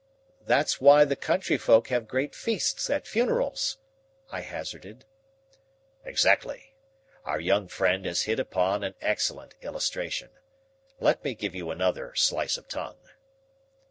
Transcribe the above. "That's why the country folk have great feasts at funerals," I hazarded. "Exactly. Our young friend has hit upon an excellent illustration. Let me give you another slice of tongue."